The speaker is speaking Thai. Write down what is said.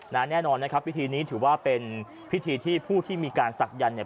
แน่นอนนะครับพิธีนี้ถือว่าเป็นพิธีที่ผู้ที่มีการศักยันต์เนี่ย